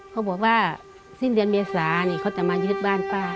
เขาบอกว่าสิ้นเดือนเมษานี่เขาจะมายึดบ้านป้า